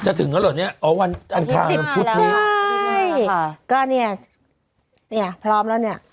จะถึงนะไหนเนี่ยวันแสนสิบหรือวันถาม